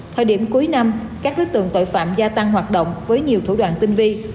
thời điểm cuối năm các đối tượng tội phạm gia tăng hoạt động với nhiều thủ đoạn tinh vi